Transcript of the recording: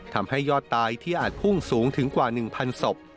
ทำให้ยอดตายที่อาจพุ่งสูงถึงกว่าหนึ่งพันธุ์ศพ